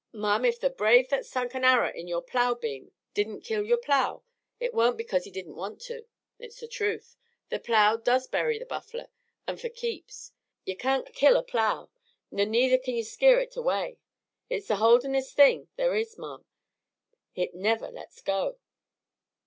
"Ma'am, if the brave that sunk a arrer in yore plow beam didn't kill yore plow hit warn't because he didn't want to. Hit's the truth the plow does bury the buffler, an' fer keeps! Ye kain't kill a plow, ner neither kin yer scare hit away. Hit's the holdin'est thing ther is, ma'am hit never does let go."